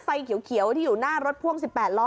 ไฟเขียวที่อยู่หน้ารถพ่วง๑๘ล้อ